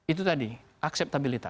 itu tadi akseptabilitas